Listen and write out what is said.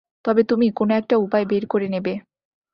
তবে তুমি কোনো একটা উপায় বের করে নেবে।